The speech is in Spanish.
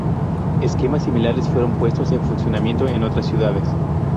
Esquemas similares fueron puestos en funcionamiento en otras ciudades.